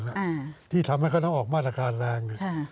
อ่าที่ทำให้เขาต้องออกมาตรการแรง